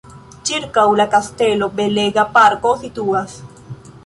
Ĉirkaŭ la kastelo belega parko situas.